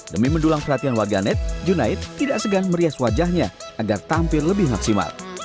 demi mendulang perhatian warga net junaid tidak segan merias wajahnya agar tampil lebih maksimal